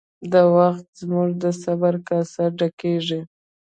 دا وخت زموږ د صبر کاسه ډکیږي